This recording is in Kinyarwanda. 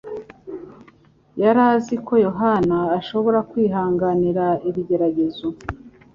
yari azi ko Yohana ashobora kwihanganira ibigeragezo.